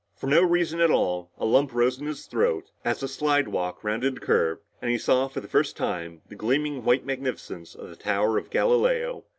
For no reason at all, a lump rose in his throat, as the slidewalk rounded a curve and he saw for the first time, the gleaming white magnificence of the Tower of Galileo.